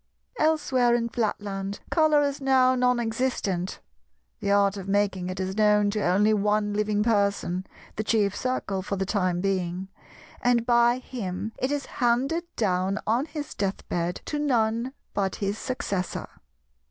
Elsewhere in Flatland, Colour is now non existent. The art of making it is known to only one living person, the Chief Circle for the time being; and by him it is handed down on his death bed to none but his Successor.